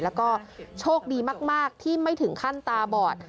แล้วก็โชคดีมากที่ไม่ถึงขั้นตาบอด